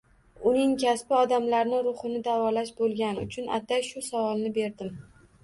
Uning kasbi odamlarni ruhini davolash bo’lgani uchun atay shu savolni berdim.